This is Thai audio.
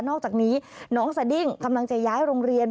อกจากนี้น้องสดิ้งกำลังจะย้ายโรงเรียน